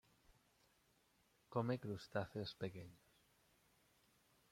Come crustáceos pequeños.